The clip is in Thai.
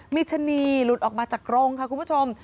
มีชะนีหลุดออกมาจากโรงค่ะคุณผู้ชม